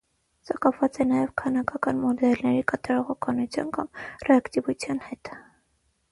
Սա կապված է նաև քանակական մոդելների կատարողականության կամ «ռեակտիվության» հետ։